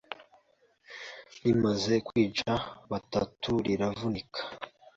Rimaze kwica batatu riravunika